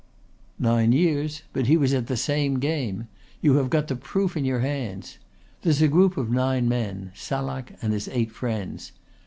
"Nine years. But he was at the same game. You have got the proof in your hands. There's a group of nine men Salak and his eight friends.